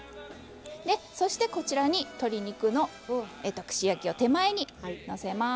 そして鶏肉の串焼きを手前にのせます。